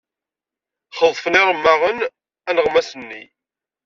Xeḍfen yiremmaɣen aneɣmas-nni.